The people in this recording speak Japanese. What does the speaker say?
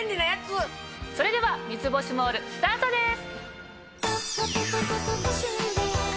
それでは『三ツ星モール』スタートです。